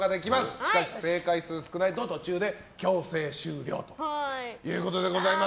しかし正解数が少ないと強制終了ということでございます。